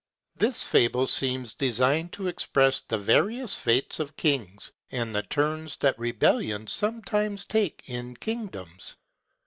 —This fable seems designed to express the various fates of kings, and the turns that rebellions sometimes take, in kingdoms.